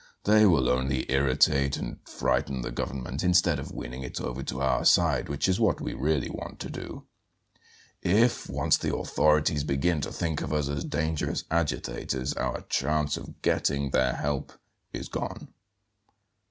They will only irritate and frighten the government instead of winning it over to our side, which is what we really want to do. If once the authorities begin to think of us as dangerous agitators our chance of getting their help is gone."